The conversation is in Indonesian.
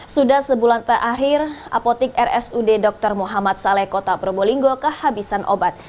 sudah sebulan terakhir apotik rsud dr muhammad saleh kota probolinggo kehabisan obat